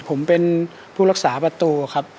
ผมเป็นผู้รักษาประตูครับ